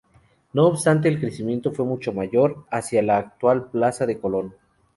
No obstante, el crecimiento fue mucho mayor hacia la actual plaza de Colón.